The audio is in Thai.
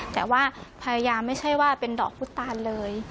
แต่ว่าภรรยาไม่ใช่ว่าเป็นดอกพุทธตานเลย